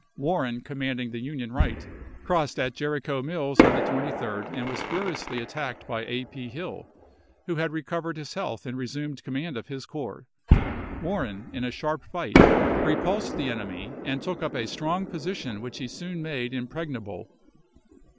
Warren, commanding the Union right, crossed at Jericho Mills on the 23d and was furiously attacked by A. P. Hill, who had recovered his health and resumed command of his corps ; Warren, in a sharp fight, repulsed the enemy and took up a strong position which he soon made impregnable.